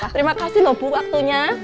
terima kasih loh bu waktunya